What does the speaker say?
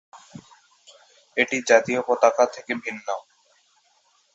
এটি জাতীয় পতাকা থেকে ভিন্ন।